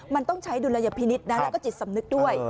มันต้องใช้ดุลยพินิษฐ์นะแล้วก็จิตสำนึกด้วย